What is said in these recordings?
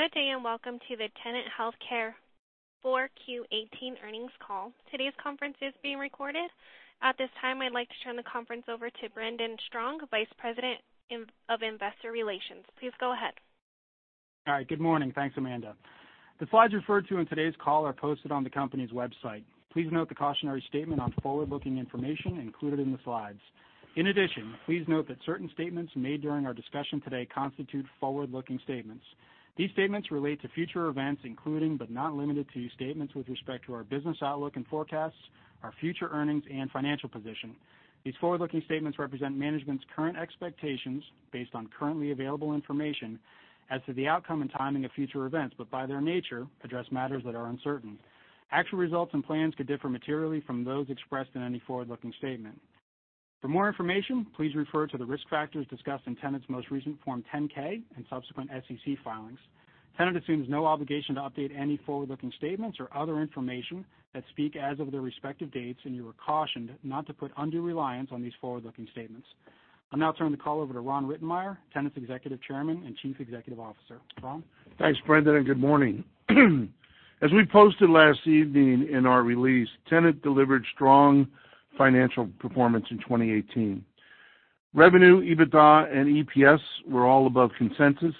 Good day, welcome to the Tenet Healthcare 4Q18 earnings call. Today's conference is being recorded. At this time, I'd like to turn the conference over to Brendan Strong, Vice President of Investor Relations. Please go ahead. All right. Good morning. Thanks, Amanda. The slides referred to in today's call are posted on the company's website. Please note the cautionary statement on forward-looking information included in the slides. Please note that certain statements made during our discussion today constitute forward-looking statements. These statements relate to future events, including, but not limited to, statements with respect to our business outlook and forecasts, our future earnings and financial position. These forward-looking statements represent management's current expectations based on currently available information as to the outcome and timing of future events, by their nature, address matters that are uncertain. Actual results and plans could differ materially from those expressed in any forward-looking statement. For more information, please refer to the risk factors discussed in Tenet's most recent Form 10-K and subsequent SEC filings. Tenet assumes no obligation to update any forward-looking statements or other information that speak as of their respective dates, you are cautioned not to put undue reliance on these forward-looking statements. I'll now turn the call over to Ron Rittenmeyer, Tenet's Executive Chairman and Chief Executive Officer. Ron? Thanks, Brendan, good morning. As we posted last evening in our release, Tenet delivered strong financial performance in 2018. Revenue, EBITDA, and EPS were all above consensus.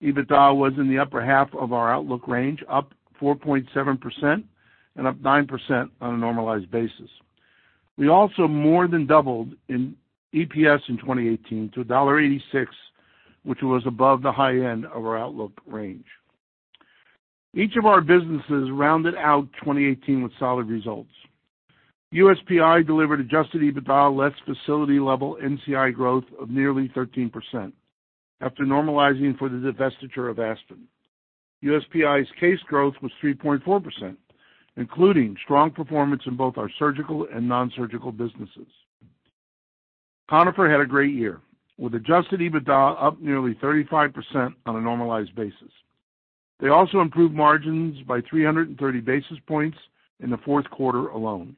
EBITDA was in the upper half of our outlook range, up 4.7% up 9% on a normalized basis. We also more than doubled in EPS in 2018 to $1.86, which was above the high end of our outlook range. Each of our businesses rounded out 2018 with solid results. USPI delivered adjusted EBITDA less facility level NCI growth of nearly 13%, after normalizing for the divestiture of Aspen. USPI's case growth was 3.4%, including strong performance in both our surgical and non-surgical businesses. Conifer had a great year with adjusted EBITDA up nearly 35% on a normalized basis. They also improved margins by 330 basis points in the fourth quarter alone.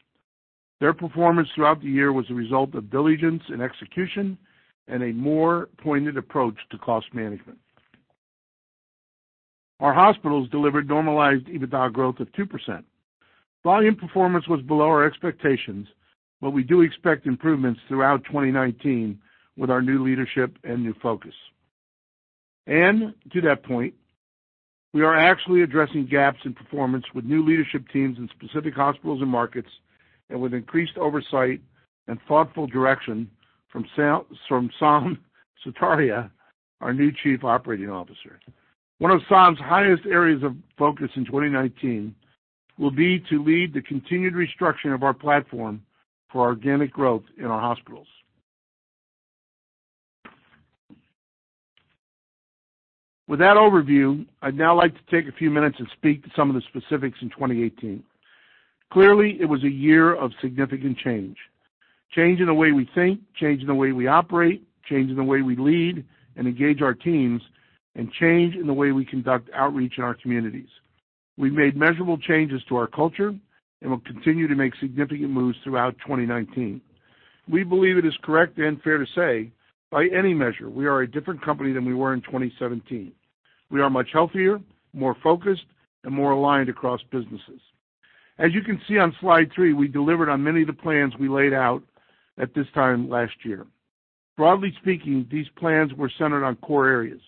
Their performance throughout the year was a result of diligence and execution and a more pointed approach to cost management. Our hospitals delivered normalized EBITDA growth of 2%. Volume performance was below our expectations, but we do expect improvements throughout 2019 with our new leadership and new focus. To that point, we are actually addressing gaps in performance with new leadership teams in specific hospitals and markets and with increased oversight and thoughtful direction from Saum Sutaria, our new Chief Operating Officer. One of Saum's highest areas of focus in 2019 will be to lead the continued restructuring of our platform for organic growth in our hospitals. With that overview, I'd now like to take a few minutes and speak to some of the specifics in 2018. Clearly, it was a year of significant change. Change in the way we think, change in the way we operate, change in the way we lead and engage our teams, and change in the way we conduct outreach in our communities. We've made measurable changes to our culture and will continue to make significant moves throughout 2019. We believe it is correct and fair to say, by any measure, we are a different company than we were in 2017. We are much healthier, more focused, and more aligned across businesses. As you can see on slide three, we delivered on many of the plans we laid out at this time last year. Broadly speaking, these plans were centered on core areas,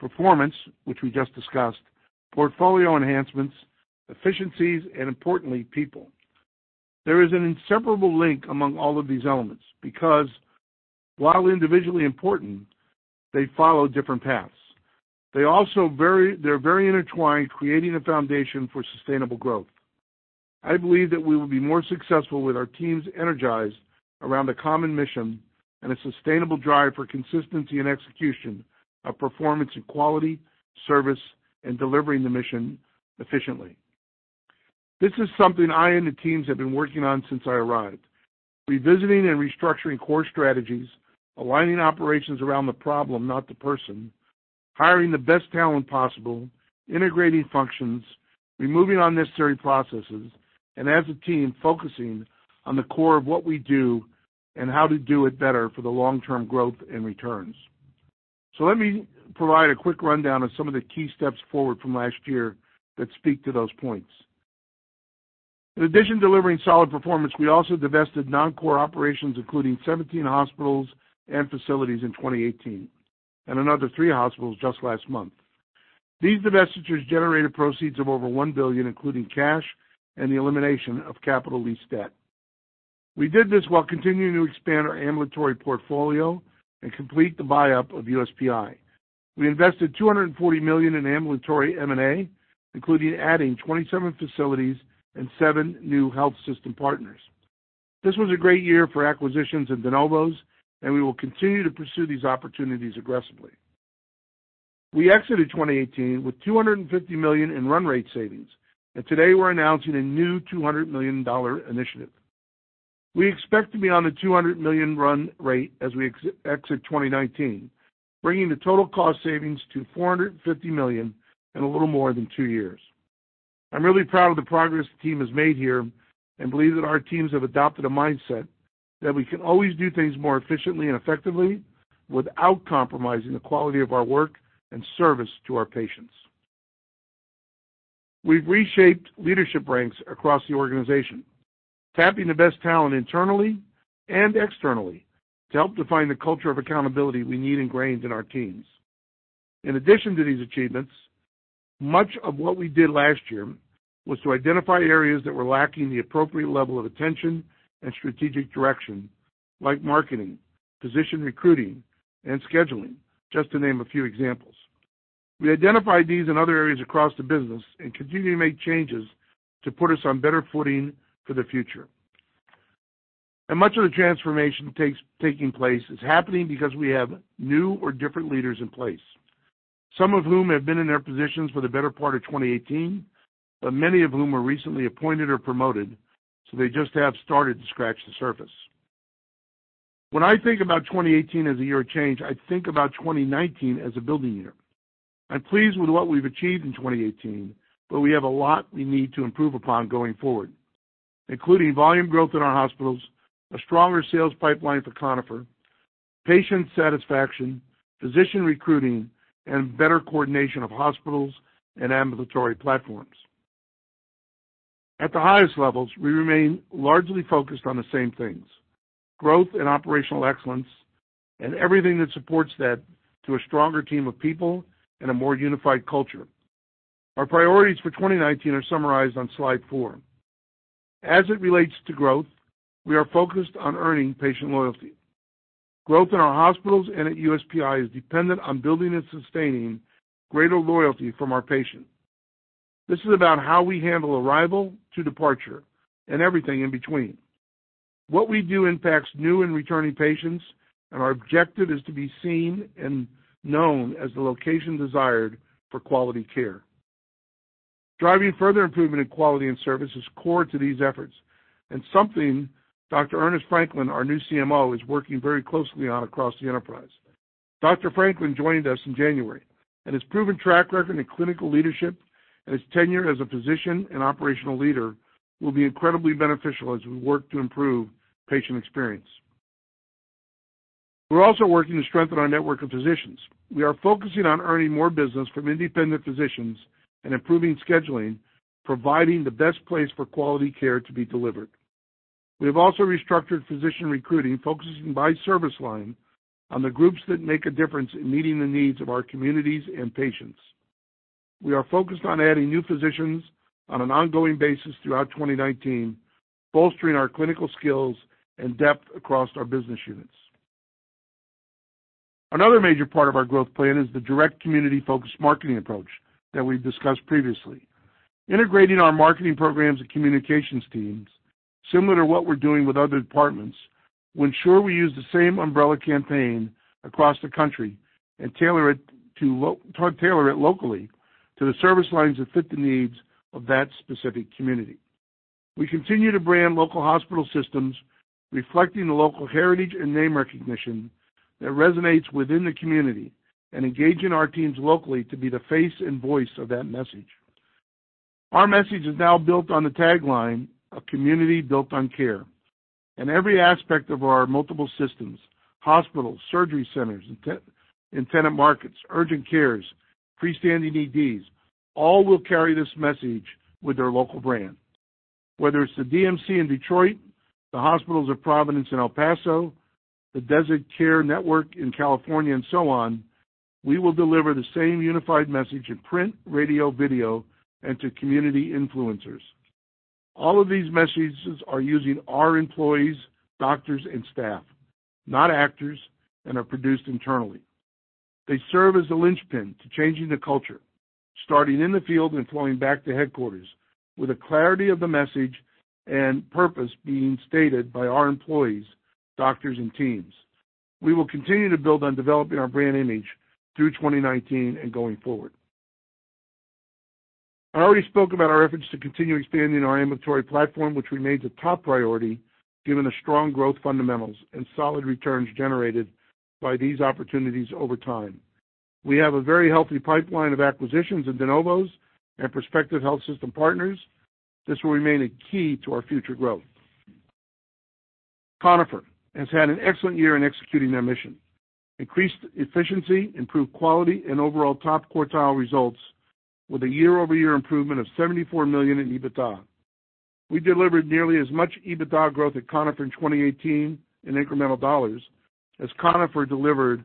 performance, which we just discussed, portfolio enhancements, efficiencies, and importantly, people. There is an inseparable link among all of these elements, because while individually important, they follow different paths. They're very intertwined, creating a foundation for sustainable growth. I believe that we will be more successful with our teams energized around a common mission and a sustainable drive for consistency and execution of performance in quality, service, and delivering the mission efficiently. This is something I and the teams have been working on since I arrived. Revisiting and restructuring core strategies, aligning operations around the problem, not the person, hiring the best talent possible, integrating functions, removing unnecessary processes, and as a team, focusing on the core of what we do and how to do it better for the long-term growth and returns. Let me provide a quick rundown of some of the key steps forward from last year that speak to those points. In addition to delivering solid performance, we also divested non-core operations, including 17 hospitals and facilities in 2018, and another three hospitals just last month. These divestitures generated proceeds of over $1 billion, including cash and the elimination of capital lease debt. We did this while continuing to expand our ambulatory portfolio and complete the buy-up of USPI. We invested $240 million in ambulatory M&A, including adding 27 facilities and seven new health system partners. This was a great year for acquisitions and de novos, and we will continue to pursue these opportunities aggressively. We exited 2018 with $250 million in run rate savings, and today we're announcing a new $200 million initiative. We expect to be on the $200 million run rate as we exit 2019, bringing the total cost savings to $450 million in a little more than two years. I'm really proud of the progress the team has made here and believe that our teams have adopted a mindset that we can always do things more efficiently and effectively without compromising the quality of our work and service to our patients. We've reshaped leadership ranks across the organization, tapping the best talent internally and externally to help define the culture of accountability we need ingrained in our teams. In addition to these achievements, much of what we did last year was to identify areas that were lacking the appropriate level of attention and strategic direction, like marketing, physician recruiting, and scheduling, just to name a few examples. We identified these in other areas across the business and continue to make changes to put us on better footing for the future. Much of the transformation taking place is happening because we have new or different leaders in place, some of whom have been in their positions for the better part of 2018, but many of whom were recently appointed or promoted, so they just have started to scratch the surface. When I think about 2018 as a year of change, I think about 2019 as a building year. I'm pleased with what we've achieved in 2018, but we have a lot we need to improve upon going forward, including volume growth in our hospitals, a stronger sales pipeline for Conifer, patient satisfaction, physician recruiting, and better coordination of hospitals and ambulatory platforms. At the highest levels, we remain largely focused on the same things, growth and operational excellence, and everything that supports that through a stronger team of people and a more unified culture. Our priorities for 2019 are summarized on slide four. As it relates to growth, we are focused on earning patient loyalty. Growth in our hospitals and at USPI is dependent on building and sustaining greater loyalty from our patients. This is about how we handle arrival to departure and everything in between. What we do impacts new and returning patients, and our objective is to be seen and known as the location desired for quality care. Driving further improvement in quality and service is core to these efforts and something Dr. Ernest Franklin, our new CMO, is working very closely on across the enterprise. Dr. Franklin joined us in January. His proven track record in clinical leadership and his tenure as a physician and operational leader will be incredibly beneficial as we work to improve patient experience. We're also working to strengthen our network of physicians. We are focusing on earning more business from independent physicians and improving scheduling, providing the best place for quality care to be delivered. We have also restructured physician recruiting, focusing by service line on the groups that make a difference in meeting the needs of our communities and patients. We are focused on adding new physicians on an ongoing basis throughout 2019, bolstering our clinical skills and depth across our business units. Another major part of our growth plan is the direct community-focused marketing approach that we've discussed previously. Integrating our marketing programs and communications teams, similar to what we're doing with other departments, will ensure we use the same umbrella campaign across the country and tailor it locally to the service lines that fit the needs of that specific community. We continue to brand local hospital systems reflecting the local heritage and name recognition that resonates within the community and engaging our teams locally to be the face and voice of that message. Our message is now built on the tagline, "A community built on care." In every aspect of our multiple systems, hospitals, surgery centers, and Tenet markets, urgent cares, freestanding EDs, all will carry this message with their local brand. Whether it's the DMC in Detroit, The Hospitals of Providence in El Paso, the Desert Care Network in California, and so on, we will deliver the same unified message in print, radio, video, and to community influencers. All of these messages are using our employees, doctors, and staff, not actors, and are produced internally. They serve as the linchpin to changing the culture, starting in the field and flowing back to headquarters with a clarity of the message and purpose being stated by our employees, doctors, and teams. We will continue to build on developing our brand image through 2019 and going forward. I already spoke about our efforts to continue expanding our ambulatory platform, which we made the top priority given the strong growth fundamentals and solid returns generated by these opportunities over time. We have a very healthy pipeline of acquisitions and de novos and prospective health system partners. This will remain a key to our future growth. Conifer has had an excellent year in executing their mission. Increased efficiency, improved quality, and overall top quartile results with a year-over-year improvement of $74 million in EBITDA. We delivered nearly as much EBITDA growth at Conifer in 2018 in incremental dollars as Conifer delivered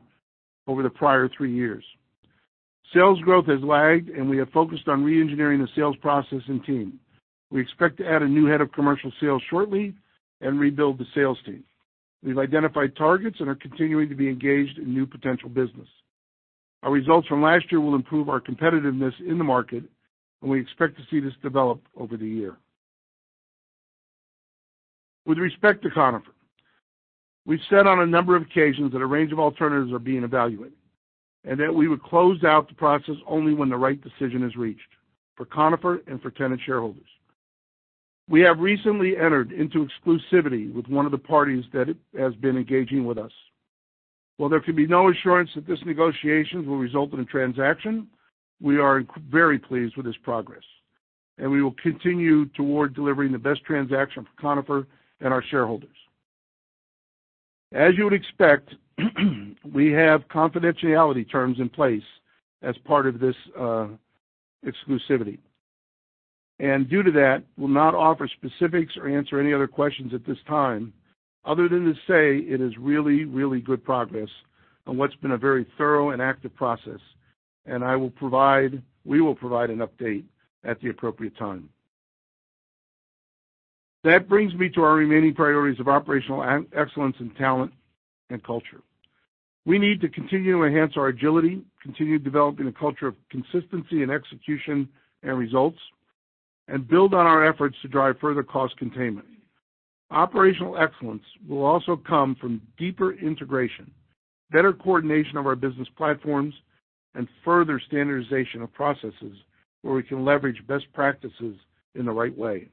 over the prior three years. Sales growth has lagged. We have focused on re-engineering the sales process and team. We expect to add a new head of commercial sales shortly and rebuild the sales team. We've identified targets and are continuing to be engaged in new potential business. Our results from last year will improve our competitiveness in the market, and we expect to see this develop over the year. With respect to Conifer, we've said on a number of occasions that a range of alternatives are being evaluated. We would close out the process only when the right decision is reached for Conifer and for Tenet shareholders. We have recently entered into exclusivity with one of the parties that has been engaging with us. While there can be no assurance that this negotiation will result in a transaction, we are very pleased with this progress, and we will continue toward delivering the best transaction for Conifer and our shareholders. As you would expect, we have confidentiality terms in place as part of this exclusivity. Due to that, we'll not offer specifics or answer any other questions at this time, other than to say it is really good progress on what's been a very thorough and active process. We will provide an update at the appropriate time. That brings me to our remaining priorities of operational excellence and talent & culture. We need to continue to enhance our agility, continue developing a culture of consistency in execution and results, and build on our efforts to drive further cost containment. Operational excellence will also come from deeper integration, better coordination of our business platforms, and further standardization of processes where we can leverage best practices in the right way.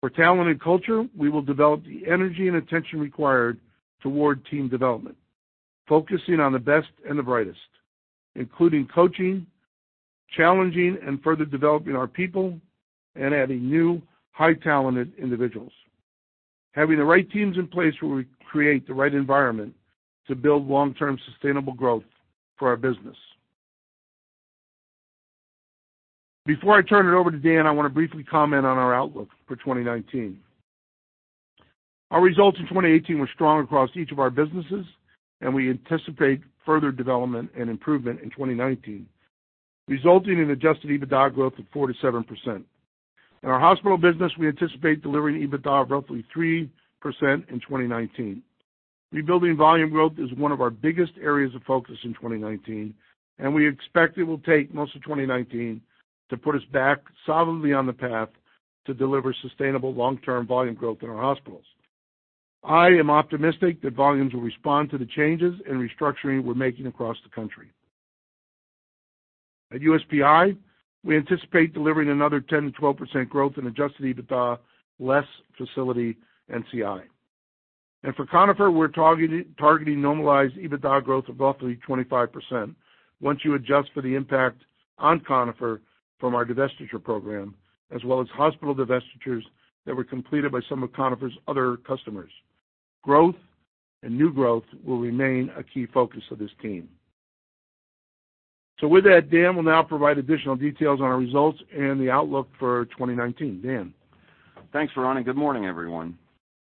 For talent & culture, we will develop the energy and attention required toward team development, focusing on the best and the brightest, including coaching, challenging, and further developing our people and adding new high-talented individuals. Having the right teams in place where we create the right environment to build long-term sustainable growth for our business. Before I turn it over to Dan, I want to briefly comment on our outlook for 2019. Our results in 2018 were strong across each of our businesses, and we anticipate further development and improvement in 2019, resulting in adjusted EBITDA growth of 4%-7%. In our hospital business, we anticipate delivering EBITDA of roughly 3% in 2019. Rebuilding volume growth is one of our biggest areas of focus in 2019, and we expect it will take most of 2019 to put us back solidly on the path to deliver sustainable long-term volume growth in our hospitals. I am optimistic that volumes will respond to the changes and restructuring we're making across the country. At USPI, we anticipate delivering another 10%-12% growth in adjusted EBITDA, less facility NCI. For Conifer, we're targeting normalized EBITDA growth of roughly 25% once you adjust for the impact on Conifer from our divestiture program, as well as hospital divestitures that were completed by some of Conifer's other customers. Growth and new growth will remain a key focus of this team. With that, Dan will now provide additional details on our results and the outlook for 2019. Dan? Thanks, Ron. Good morning, everyone.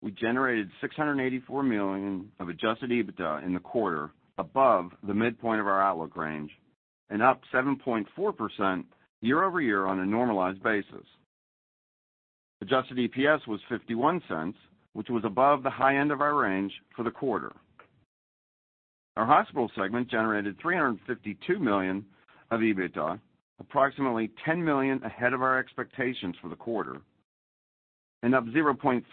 We generated $684 million of adjusted EBITDA in the quarter above the midpoint of our outlook range and up 7.4% year-over-year on a normalized basis. Adjusted EPS was $0.51, which was above the high end of our range for the quarter. Our hospital segment generated $352 million of EBITDA, approximately $10 million ahead of our expectations for the quarter, and up 0.3%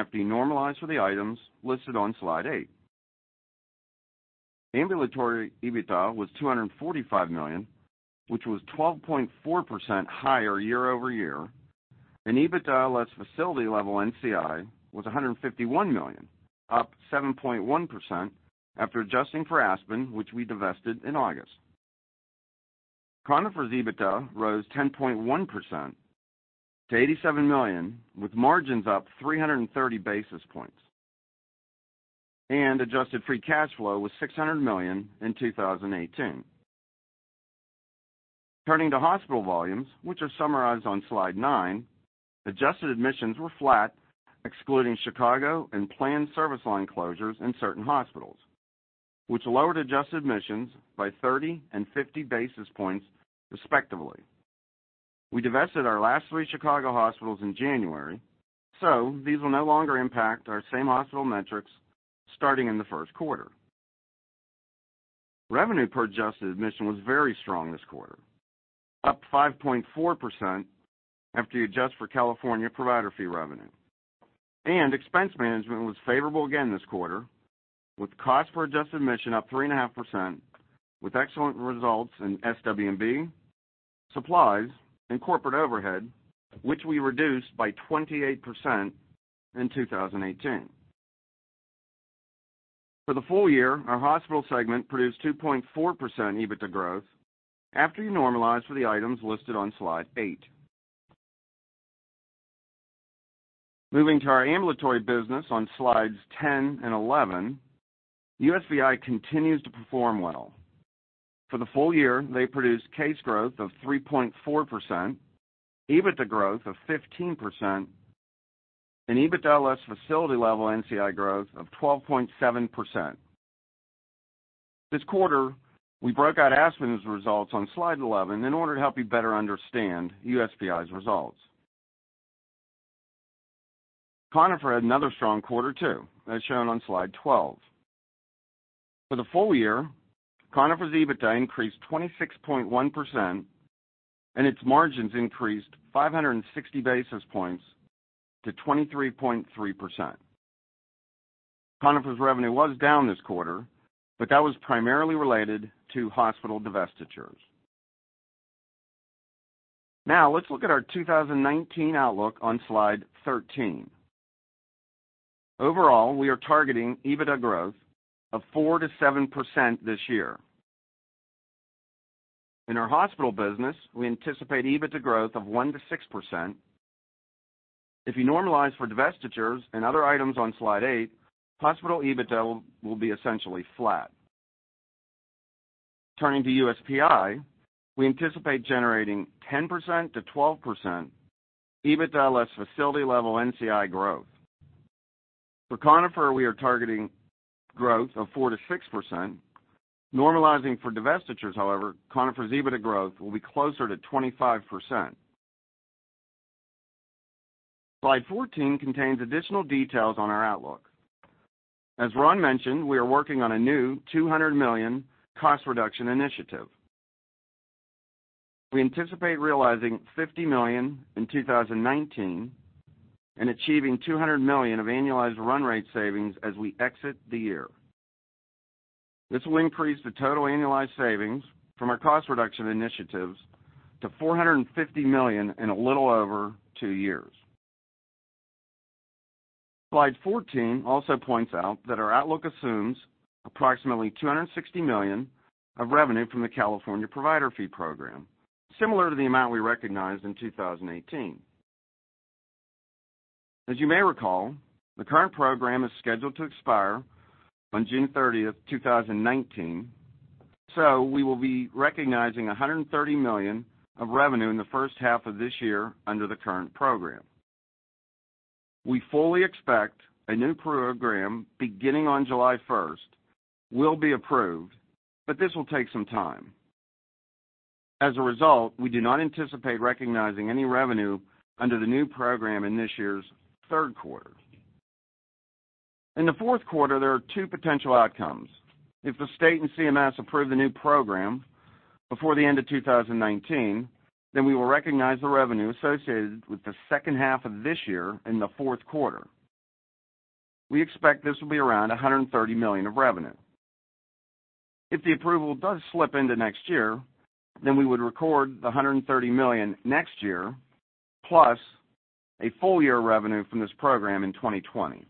after you normalize for the items listed on slide eight. Ambulatory EBITDA was $245 million, which was 12.4% higher year-over-year, and EBITDA less facility level NCI was $151 million, up 7.1% after adjusting for Aspen, which we divested in August. Conifer's EBITDA rose 10.1% to $87 million, with margins up 330 basis points, and adjusted free cash flow was $600 million in 2018. Turning to hospital volumes, which are summarized on slide nine, adjusted admissions were flat, excluding Chicago and planned service line closures in certain hospitals, which lowered adjusted admissions by 30 and 50 basis points respectively. We divested our last three Chicago hospitals in January, so these will no longer impact our same hospital metrics starting in the first quarter. Revenue per adjusted admission was very strong this quarter, up 5.4% after you adjust for California provider fee revenue. Expense management was favorable again this quarter, with cost per adjusted admission up 3.5%, with excellent results in SW&B, supplies, and corporate overhead, which we reduced by 28% in 2018. For the full year, our hospital segment produced 2.4% EBITDA growth after you normalize for the items listed on slide eight. Moving to our ambulatory business on slides 10 and 11, USPI continues to perform well. For the full year, they produced case growth of 3.4%, EBITDA growth of 15%, and EBITDA less facility level NCI growth of 12.7%. This quarter, we broke out Aspen's results on slide 11 in order to help you better understand USPI's results. Conifer had another strong quarter too, as shown on slide 12. For the full year, Conifer's EBITDA increased 26.1% and its margins increased 560 basis points to 23.3%. Conifer's revenue was down this quarter, but that was primarily related to hospital divestitures. Let's look at our 2019 outlook on slide 13. Overall, we are targeting EBITDA growth of 4%-7% this year. In our hospital business, we anticipate EBITDA growth of 1%-6%. If you normalize for divestitures and other items on slide eight, hospital EBITDA will be essentially flat. Turning to USPI, we anticipate generating 10%-12% EBITDA less facility level NCI growth. For Conifer, we are targeting growth of 4%-6%. Normalizing for divestitures, however, Conifer's EBITDA growth will be closer to 25%. slide 14 contains additional details on our outlook. As Ron mentioned, we are working on a new $200 million cost reduction initiative. We anticipate realizing $50 million in 2019 and achieving $200 million of annualized run rate savings as we exit the year. This will increase the total annualized savings from our cost reduction initiatives to $450 million in a little over two years. slide 14 also points out that our outlook assumes approximately $260 million of revenue from the California Provider Fee program, similar to the amount we recognized in 2018. As you may recall, the current program is scheduled to expire on June 30, 2019. We will be recognizing $130 million of revenue in the first half of this year under the current program. We fully expect a new program beginning on July 1 will be approved, but this will take some time. As a result, we do not anticipate recognizing any revenue under the new program in this year's third quarter. In the fourth quarter, there are two potential outcomes. If the state and CMS approve the new program before the end of 2019, then we will recognize the revenue associated with the second half of this year in the fourth quarter. We expect this will be around $130 million of revenue. If the approval does slip into next year, then we would record the $130 million next year, plus a full year revenue from this program in 2020.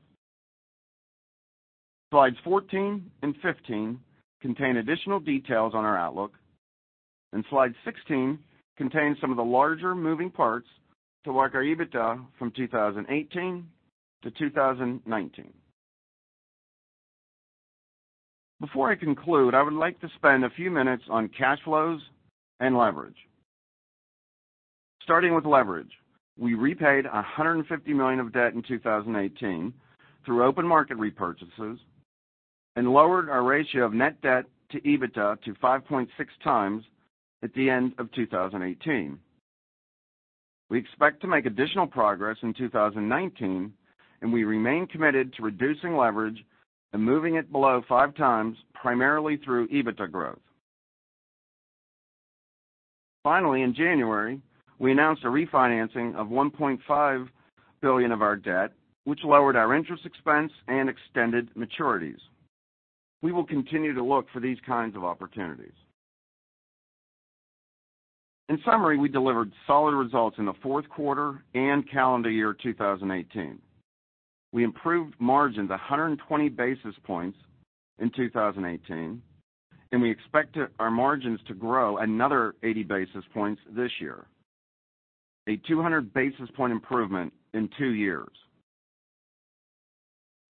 slides 14 and 15 contain additional details on our outlook, and slide 16 contains some of the larger moving parts to work our EBITDA from 2018 to 2019. Before I conclude, I would like to spend a few minutes on cash flows and leverage. Starting with leverage, we repaid $150 million of debt in 2018 through open market repurchases and lowered our ratio of net debt to EBITDA to 5.6 times at the end of 2018. We expect to make additional progress in 2019, and we remain committed to reducing leverage and moving it below five times, primarily through EBITDA growth. Finally, in January, we announced a refinancing of $1.5 billion of our debt, which lowered our interest expense and extended maturities. We will continue to look for these kinds of opportunities. In summary, we delivered solid results in the fourth quarter and calendar year 2018. We improved margins 120 basis points in 2018, and we expect our margins to grow another 80 basis points this year. A 200 basis point improvement in two years.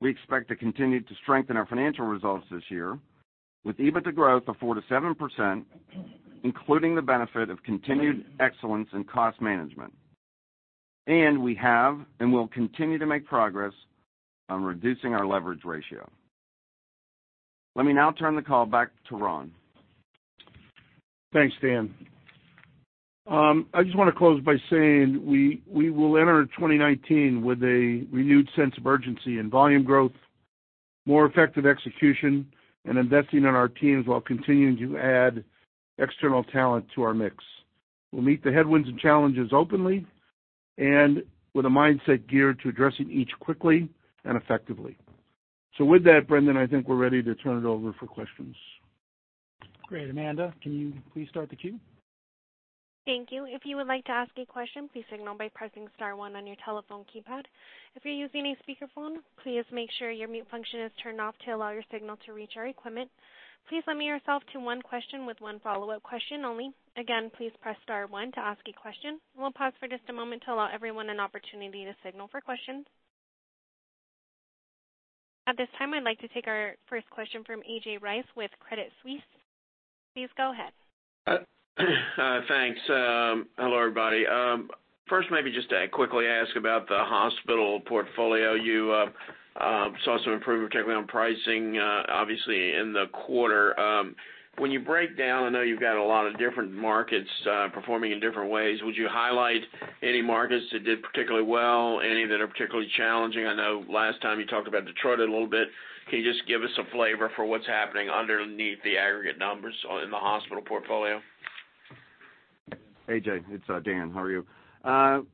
We expect to continue to strengthen our financial results this year with EBITDA growth of 4%-7%, including the benefit of continued excellence in cost management. We have, and will continue to make progress on reducing our leverage ratio. Let me now turn the call back to Ron. Thanks, Dan. I just want to close by saying we will enter 2019 with a renewed sense of urgency in volume growth, more effective execution, and investing in our teams while continuing to add external talent to our mix. We'll meet the headwinds and challenges openly and with a mindset geared to addressing each quickly and effectively. With that, Brendan, I think we're ready to turn it over for questions. Great. Amanda, can you please start the queue? Thank you. If you would like to ask a question, please signal by pressing star one on your telephone keypad. If you're using a speakerphone, please make sure your mute function is turned off to allow your signal to reach our equipment. Please limit yourself to one question with one follow-up question only. Again, please press star one to ask a question, and we'll pause for just a moment to allow everyone an opportunity to signal for questions. At this time, I'd like to take our first question from A.J. Rice with Credit Suisse. Please go ahead. Thanks. Hello, everybody. First, maybe just to quickly ask about the hospital portfolio. You saw some improvement, particularly on pricing, obviously in the quarter. When you break down, I know you've got a lot of different markets performing in different ways, would you highlight any markets that did particularly well, any that are particularly challenging? I know last time you talked about Detroit a little bit. Can you just give us a flavor for what's happening underneath the aggregate numbers in the hospital portfolio? A.J., it's Dan. How are you?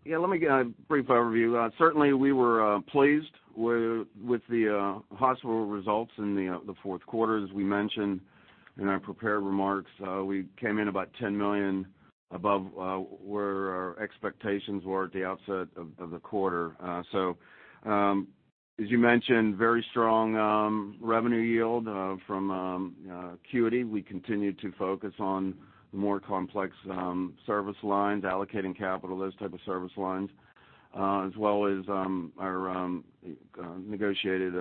Yeah, let me give a brief overview. Certainly, we were pleased with the hospital results in the fourth quarter. As we mentioned in our prepared remarks, we came in about $10 million above where our expectations were at the outset of the quarter. As you mentioned, very strong revenue yield from acuity. We continue to focus on the more complex service lines, allocating capital, those type of service lines, as well as our negotiated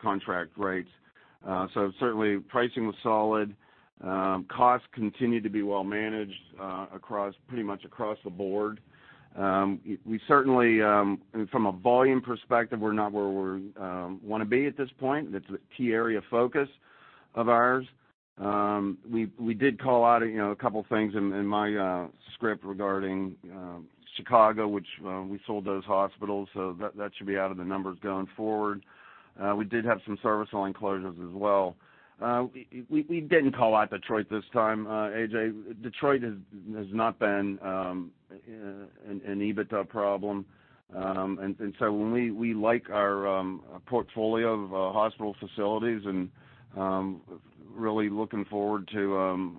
contract rates. Certainly, pricing was solid. Costs continued to be well managed pretty much across the board. We certainly, from a volume perspective, we're not where we want to be at this point. That's a key area of focus of ours. We did call out a couple of things in my script regarding Chicago, which we sold those hospitals, so that should be out of the numbers going forward. We did have some service line closures as well. We didn't call out Detroit this time, A.J. Detroit has not been an EBITDA problem. We like our portfolio of hospital facilities, and really looking forward to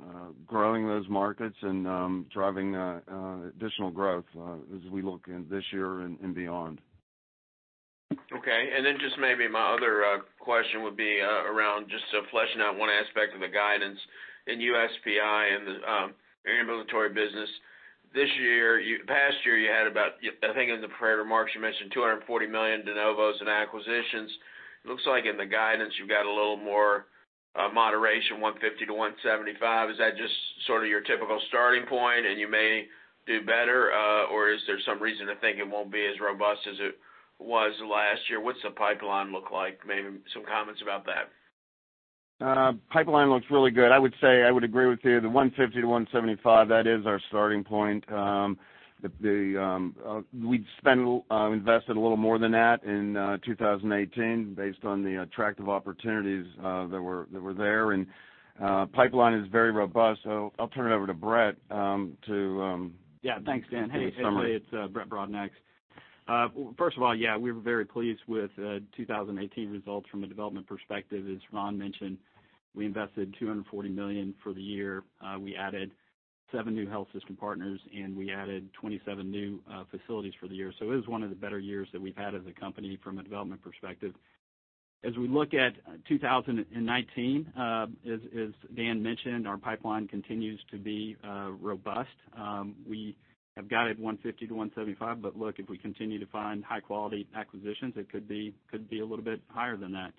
growing those markets and driving additional growth as we look this year and beyond. Okay, just maybe my other question would be around just fleshing out one aspect of the guidance in USPI, in the ambulatory business. This past year, you had about, I think it was in the prepared remarks, you mentioned $240 million de novos and acquisitions. It looks like in the guidance, you've got a little more moderation, $150 million-$175 million. Is that just sort of your typical starting point and you may do better? Or is there some reason to think it won't be as robust as it was last year? What's the pipeline look like? Maybe some comments about that. Pipeline looks really good. I would say I would agree with you. The $150 million-$175 million, that is our starting point. We'd invested a little more than that in 2018 based on the attractive opportunities that were there, pipeline is very robust. I'll turn it over to Brett to- Yeah, thanks, Dan. give a summary. Hey, it's Brett Brodnax. First of all, yeah, we were very pleased with 2018 results from a development perspective. As Ron mentioned, we invested $240 million for the year. We added seven new health system partners, and we added 27 new facilities for the year. It was one of the better years that we've had as a company from a development perspective. As we look at 2019, as Dan mentioned, our pipeline continues to be robust. We have guided 150-175, but look, if we continue to find high-quality acquisitions, it could be a little bit higher than that.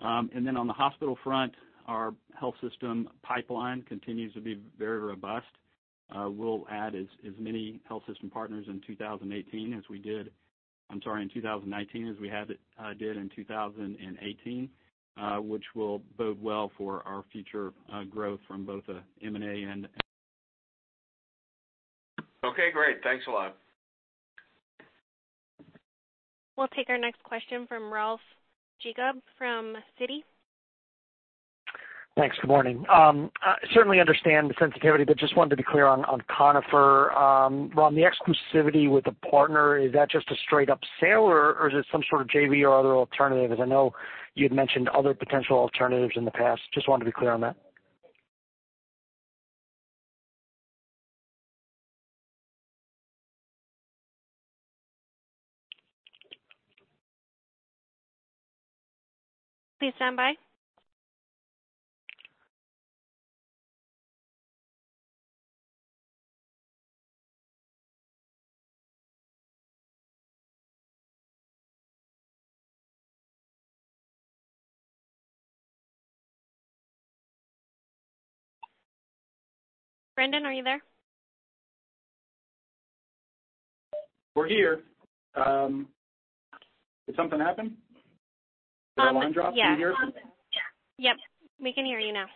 On the hospital front, our health system pipeline continues to be very robust. We'll add as many health system partners in 2018 as we did-- I'm sorry, in 2019 as we did in 2018, which will bode well for our future growth from both an M&A and. Okay, great. Thanks a lot. We'll take our next question from Ralph Giacobbe from Citi. Thanks. Good morning. I certainly understand the sensitivity, just wanted to be clear on Conifer. Ron, the exclusivity with the partner, is that just a straight-up sale, or is it some sort of JV or other alternative? I know you had mentioned other potential alternatives in the past. Just wanted to be clear on that. Please stand by. Brendan, are you there? We're here. Did something happen? Did our line drop? Can you hear us? Yep. We can hear you now.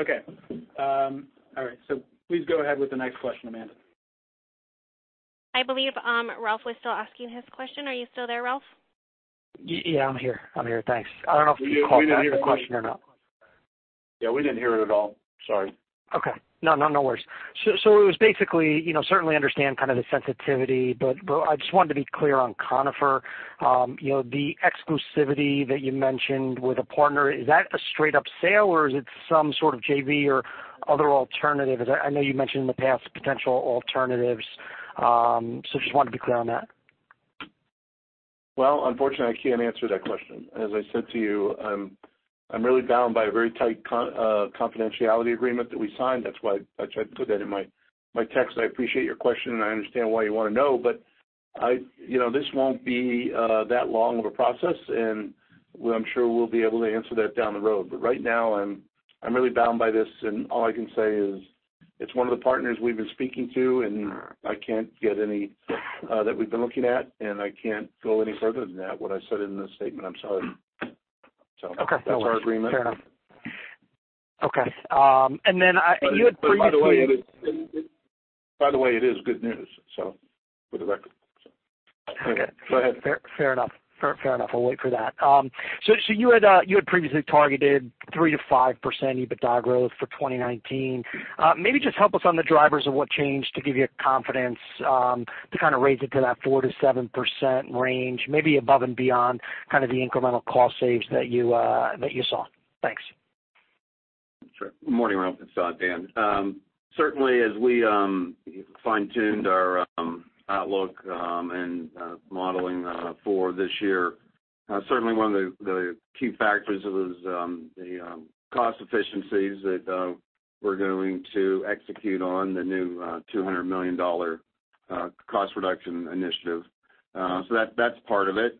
Okay. All right, please go ahead with the next question, Amanda. I believe Ralph was still asking his question. Are you still there, Ralph? Yeah, I'm here, thanks. I don't know if you caught the question or not. Yeah, we didn't hear it at all. Sorry. Okay. No worries. It was basically, certainly understand kind of the sensitivity, Ron, I just wanted to be clear on Conifer. The exclusivity that you mentioned with a partner, is that a straight up sale, or is it some sort of JV or other alternative? As I know you mentioned in the past potential alternatives. Just wanted to be clear on that. Well, unfortunately, I can't answer that question. As I said to you, I'm really bound by a very tight confidentiality agreement that we signed. That's why I tried to put that in my text. I appreciate your question. I understand why you want to know, this won't be that long of a process, I'm sure we'll be able to answer that down the road. Right now, I'm really bound by this, all I can say is it's one of the partners we've been speaking to, that we've been looking at, I can't go any further than that, what I said in the statement. I'm sorry. Okay. That's our agreement. Fair enough. Okay. You had. By the way, it is good news. Okay. Go ahead. Fair enough. I'll wait for that. You had previously targeted 3%-5% EBITDA growth for 2019. Maybe just help us on the drivers of what changed to give you confidence to raise it to that 4%-7% range, maybe above and beyond the incremental cost saves that you saw. Thanks. Sure. Morning, Ralph. It's Dan. Certainly, as we fine-tuned our outlook and modeling for this year, certainly one of the key factors was the cost efficiencies that we're going to execute on the new $200 million cost reduction initiative. That's part of it.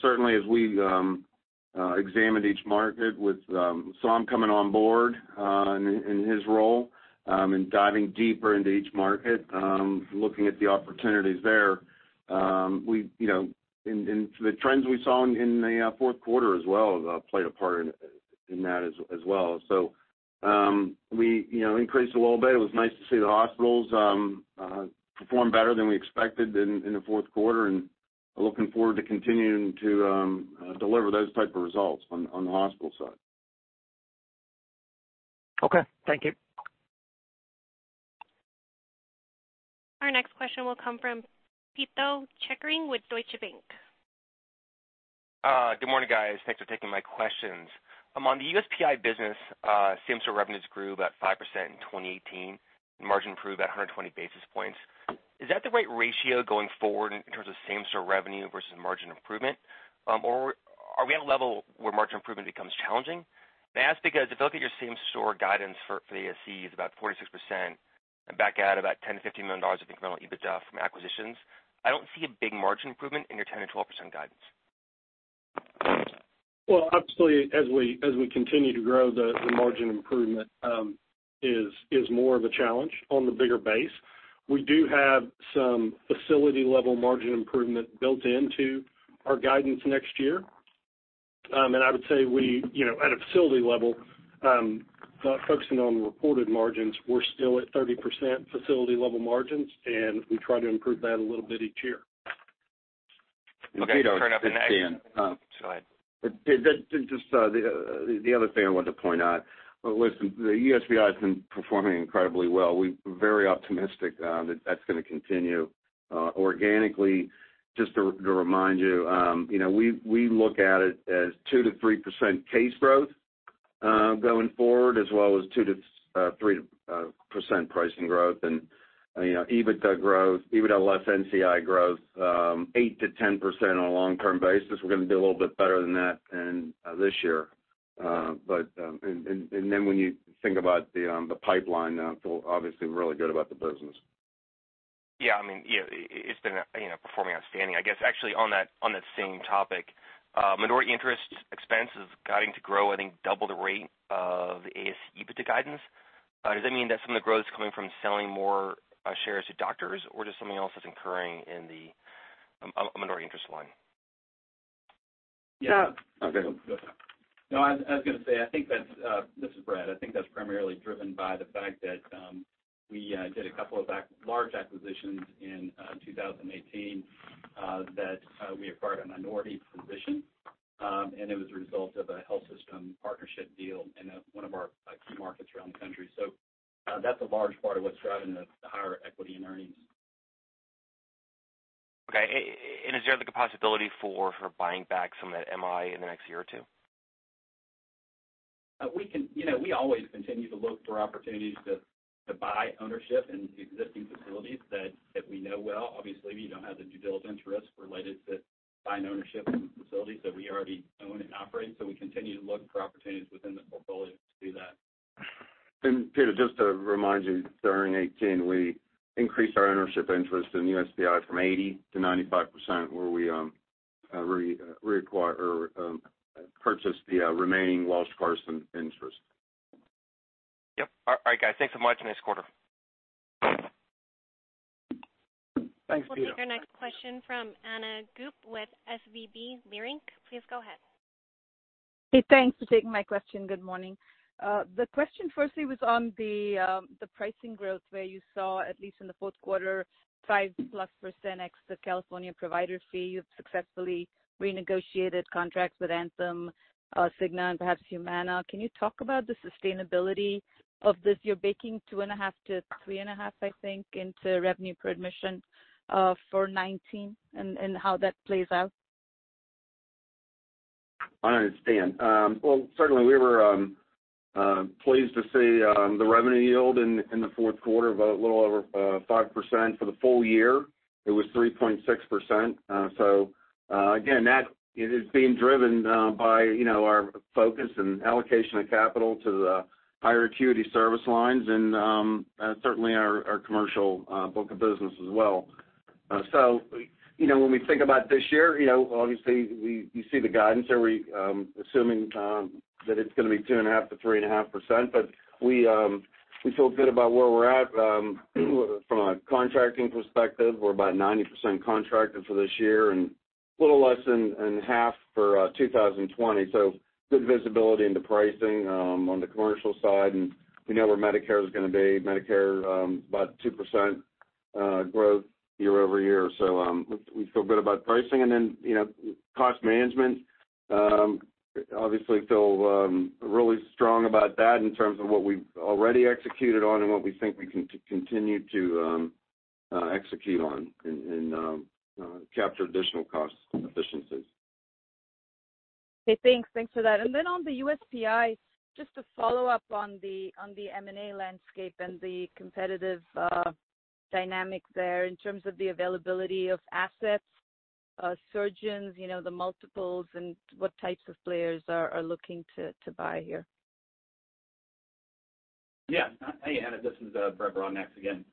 Certainly, as we examined each market with Saum coming on board in his role and diving deeper into each market, looking at the opportunities there. The trends we saw in the fourth quarter as well, played a part in that as well. We increased a little bit. It was nice to see the hospitals perform better than we expected in the fourth quarter, and looking forward to continuing to deliver those type of results on the hospital side. Okay. Thank you. Our next question will come from Pito Chickering with Deutsche Bank. Good morning, guys. Thanks for taking my questions. On the USPI business, same-store revenues grew about 5% in 2018, and margin improved about 120 basis points. Is that the right ratio going forward in terms of same-store revenue versus margin improvement, or are we at a level where margin improvement becomes challenging? I ask because if I look at your same-store guidance for the ASC is about 4% to 6%, and back out about $10 million to $15 million of incremental EBITDA from acquisitions, I don't see a big margin improvement in your 10% to 12% guidance. Well, absolutely, as we continue to grow, the margin improvement is more of a challenge on the bigger base. We do have some facility-level margin improvement built into our guidance next year. I would say at a facility level, focusing on reported margins, we're still at 30% facility level margins, and we try to improve that a little bit each year. Okay. Turn it over to the next- Pito, this is Dan. Go ahead. Just the other thing I wanted to point out, listen, the USPI has been performing incredibly well. We're very optimistic that that's going to continue organically. Just to remind you, we look at it as 2%-3% case growth, going forward, as well as 3% pricing growth. EBITDA less NCI growth 8%-10% on a long-term basis. We're going to do a little bit better than that this year. When you think about the pipeline, feel obviously really good about the business. Yeah. It's been performing outstanding. I guess actually on that same topic, minority interest expense is guiding to grow, I think, double the rate of the ASC EBITDA guidance. Does that mean that some of the growth is coming from selling more shares to doctors, or just something else that's incurring in the minority interest line? Yeah. Go ahead. No, I was going to say, this is Brett. I think that's primarily driven by the fact that we did a couple of large acquisitions in 2018 that we acquired a minority position, and it was a result of a health system partnership deal in one of our key markets around the country. That's a large part of what's driving the higher equity in earnings. Okay. Is there a possibility for buying back some of that MI in the next year or two? We always continue to look for opportunities to buy ownership in existing facilities that we know well. Obviously, we don't have the due diligence risk related to buying ownership in facilities that we already own and operate. We continue to look for opportunities within the portfolio to do that. Pito, just to remind you, during 2018, we increased our ownership interest in USPI from 80% to 95%, where we purchased the remaining Welsh Carson interest. Yep. All right, guys. Thanks so much. Nice quarter. Thanks, Pito. We'll take our next question from Ann Hynes with SVB Leerink. Please go ahead. Hey, thanks for taking my question. Good morning. The question firstly was on the pricing growth, where you saw, at least in the fourth quarter, 5+% ex the California provider fee. You've successfully renegotiated contracts with Anthem, Cigna, and perhaps Humana. Can you talk about the sustainability of this? You're baking 2.5%-3.5%, I think, into revenue per admission for 2019. How that plays out. I understand. Certainly, we were pleased to see the revenue yield in the fourth quarter of a little over 5%. For the full year, it was 3.6%. Again, that is being driven by our focus and allocation of capital to the higher acuity service lines and certainly our commercial book of business as well. When we think about this year, obviously you see the guidance there. We're assuming that it's going to be 2.5%-3.5%. We feel good about where we're at from a contracting perspective. We're about 90% contracted for this year, and a little less than half for 2020. Good visibility into pricing on the commercial side, and we know where Medicare is going to be. Medicare, about 2% growth year-over-year. We feel good about pricing. Cost management, we obviously feel really strong about that in terms of what we've already executed on and what we think we can continue to execute on and capture additional cost efficiencies. Okay. Thanks for that. On the USPI, just to follow up on the M&A landscape and the competitive dynamics there in terms of the availability of assets, surgeons, the multiples, and what types of players are looking to buy here. Yeah. Hey, Ann, this is Brett Brodnax again.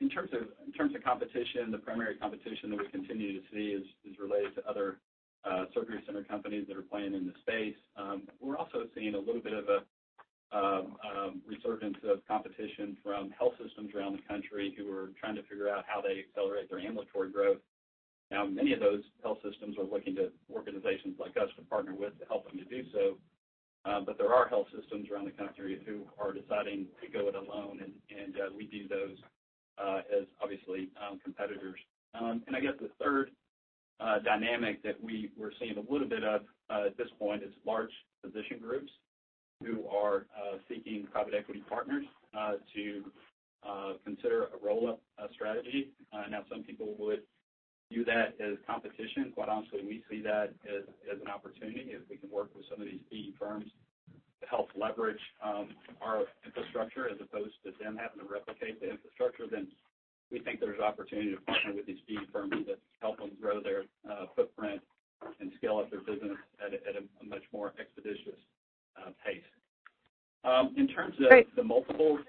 In terms of competition, the primary competition that we continue to see is related to other surgery center companies that are playing in the space. We're also seeing a little bit of a resurgence of competition from health systems around the country who are trying to figure out how they accelerate their ambulatory growth. Many of those health systems are looking to organizations like us to partner with to help them to do so. There are health systems around the country who are deciding to go it alone, and we view those as obviously competitors. I guess the third dynamic that we're seeing a little bit of at this point is large physician groups who are seeking private equity partners to consider a roll-up strategy. Some people would view that as competition. Quite honestly, we see that as an opportunity. If we can work with some of these PE firms to help leverage our infrastructure as opposed to them having to replicate the infrastructure, then we think there's opportunity to partner with these PE firms that help them grow their footprint and scale up their business at a much more expeditious pace. In terms of the multiples. Great.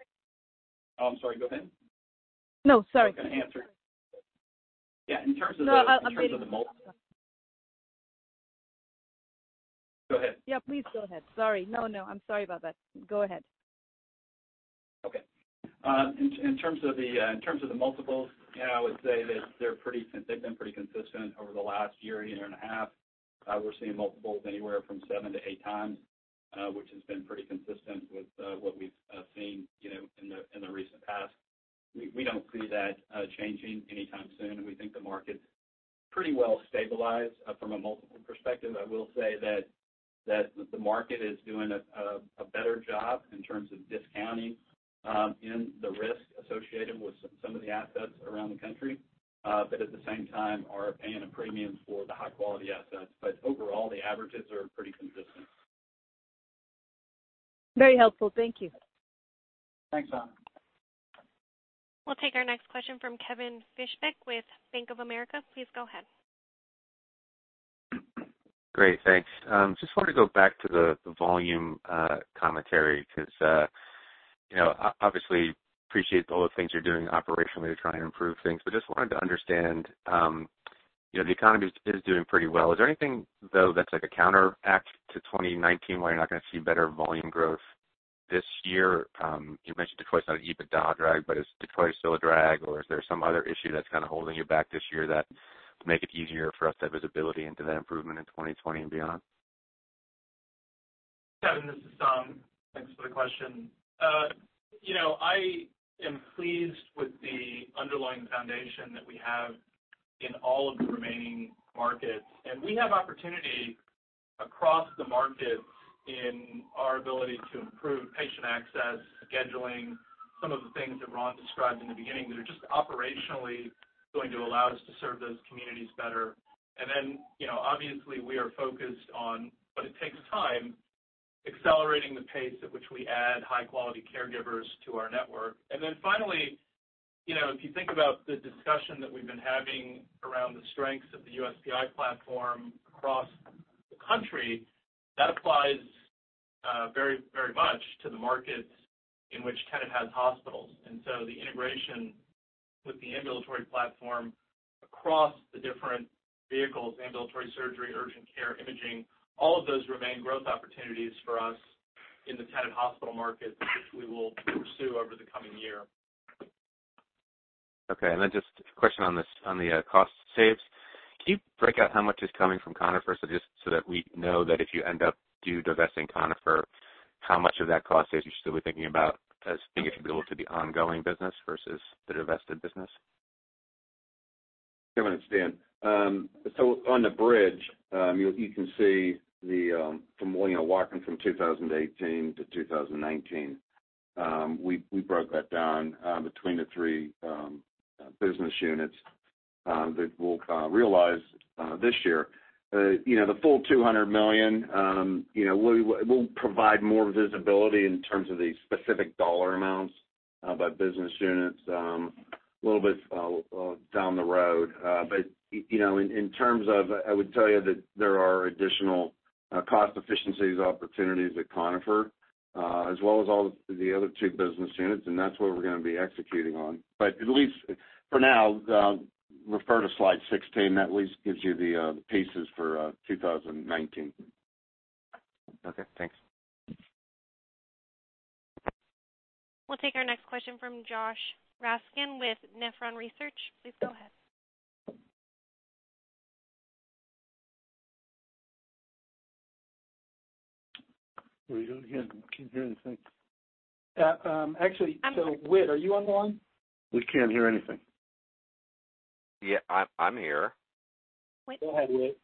Oh, I'm sorry. Go ahead. No, sorry. I was going to answer. Yeah, in terms of the multiples. No, I'm good. Go ahead. Yeah, please go ahead. Sorry. No, I'm sorry about that. Go ahead. Okay. In terms of the multiples, yeah, I would say that they've been pretty consistent over the last year and a half. We're seeing multiples anywhere from 7x-8x, which has been pretty consistent with what we've seen in the recent past. We don't see that changing anytime soon. We think the market pretty well stabilized from a multiple perspective. I will say that the market is doing a better job in terms of discounting in the risk associated with some of the assets around the country. At the same time, are paying a premium for the high-quality assets. Overall, the averages are pretty consistent. Very helpful. Thank you. Thanks, Ann. We'll take our next question from Kevin Fischbeck with Bank of America. Please go ahead. Great. Thanks. Just wanted to go back to the volume commentary because obviously appreciate all the things you're doing operationally to try and improve things. Just wanted to understand, the economy is doing pretty well. Is there anything, though, that's like a counteract to 2019, why you're not going to see better volume growth this year? You mentioned Detroit is not an EBITDA drag, but is Detroit still a drag, or is there some other issue that's holding you back this year that make it easier for us to have visibility into that improvement in 2020 and beyond? Kevin, this is Tom. Thanks for the question. I am pleased with the underlying foundation that we have in all of the remaining markets, and we have opportunity across the markets in our ability to improve patient access, scheduling, some of the things that Ron described in the beginning that are just operationally going to allow us to serve those communities better. Obviously, we are focused on, but it takes time, accelerating the pace at which we add high-quality caregivers to our network. Finally, if you think about the discussion that we've been having around the strengths of the USPI platform across the country, that applies very much to the markets in which Tenet has hospitals. The integration with the ambulatory platform across the different vehicles, ambulatory surgery, urgent care, imaging, all of those remain growth opportunities for us in the Tenet hospital market, which we will pursue over the coming year. Okay. Just a question on the cost saves. Can you break out how much is coming from Conifer, so just so that we know that if you end up do divesting Conifer, how much of that cost saves you should still be thinking about as being attributable to the ongoing business versus the divested business? Kevin, it's Dan. On the bridge, you can see walking from 2018 to 2019. We broke that down between the three business units that we'll realize this year. The full $200 million, we'll provide more visibility in terms of the specific dollar amounts by business units a little bit down the road. In terms of, I would tell you that there are additional cost efficiencies opportunities at Conifer, as well as all the other two business units, and that's what we're going to be executing on. At least for now, refer to slide 16. That at least gives you the pieces for 2019. Okay. Thanks. We'll take our next question from Josh Raskin with Nephron Research. Please go ahead. Are we on again? Can't hear anything. Actually, Whit, are you on the line? We can't hear anything. Yeah, I'm here. Whit? Go ahead, Whit.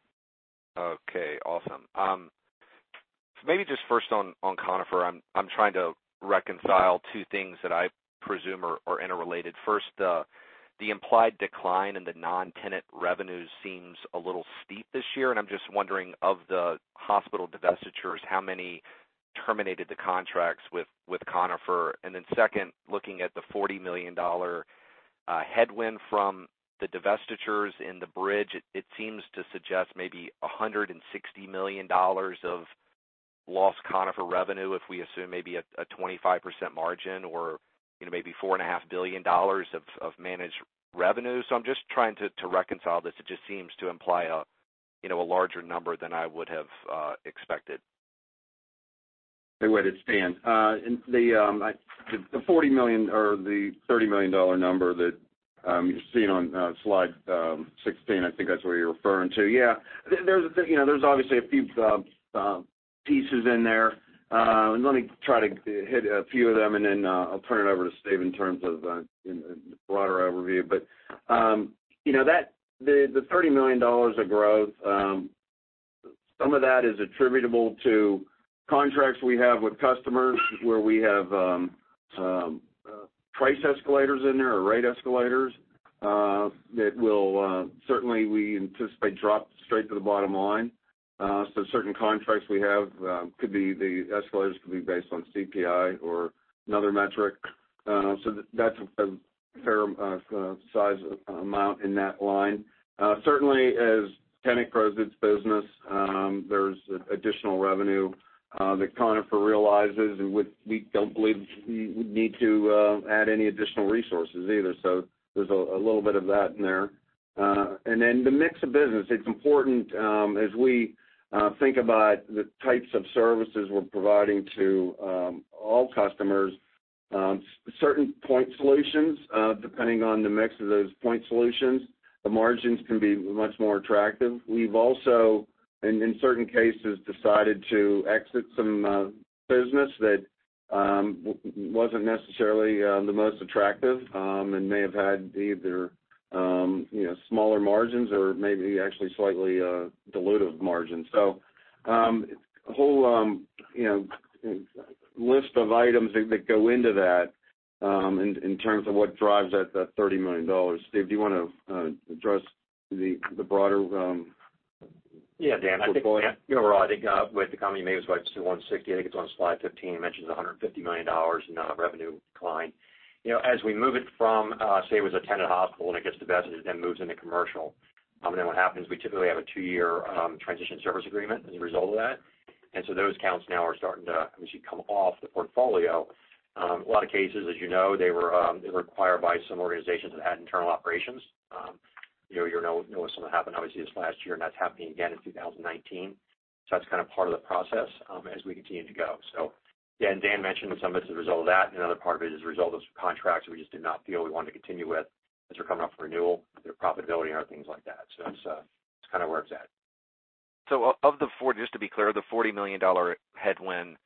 Okay, awesome. Maybe just first on Conifer, I'm trying to reconcile two things that I presume are interrelated. First, the implied decline in the non-Tenet revenues seems a little steep this year, and I'm just wondering, of the hospital divestitures, how many terminated the contracts with Conifer? Second, looking at the $40 million headwind from the divestitures in the bridge, it seems to suggest maybe $160 million of lost Conifer revenue, if we assume maybe a 25% margin or maybe $4.5 billion of managed revenue. I'm just trying to reconcile this. It just seems to imply a larger number than I would have expected. Hey, Whit, it's Dan. The $30 million number that you're seeing on slide 16, I think that's what you're referring to. Yeah. There's obviously a few pieces in there. Let me try to hit a few of them, and then I'll turn it over to Steve in terms of the broader overview. The $30 million of growth, some of that is attributable to contracts we have with customers where we have price escalators in there, or rate escalators, that will certainly, we anticipate, drop straight to the bottom line. Certain contracts we have, the escalators could be based on CPI or another metric. That's a fair size amount in that line. Certainly as Tenet grows its business, there's additional revenue that Conifer realizes, and we don't believe we need to add any additional resources either. There's a little bit of that in there. The mix of business, it's important, as we think about the types of services we're providing to all customers. Certain point solutions, depending on the mix of those point solutions, the margins can be much more attractive. We've also, in certain cases, decided to exit some business that wasn't necessarily the most attractive, and may have had either smaller margins or maybe actually slightly dilutive margins. A whole list of items that go into that in terms of what drives that $30 million. Steve, do you want to address the broader- Yeah, Dan. -portfolio? I think with the company maybe it was like 260, I think it's on slide 15, it mentions $150 million in revenue decline. As we move it from, say, it was a Tenet hospital and it gets divested and then moves into commercial, and then what happens, we typically have a two-year transition service agreement as a result of that. Those accounts now are starting to obviously come off the portfolio. A lot of cases, as you know, they were acquired by some organizations that had internal operations. You'll know what happened, obviously, this last year, and that's happening again in 2019. That's kind of part of the process as we continue to go. Again, Dan mentioned some of it's a result of that, and another part of it is a result of contracts we just did not feel we wanted to continue with as we're coming off renewal, their profitability and other things like that. That's kind of where it's at. Just to be clear, the $40 million headwind,